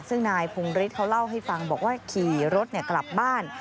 ซึ่งนายพงฤทธิเขาเล่าให้ฟังบอกว่าขี่รถกลับบ้าน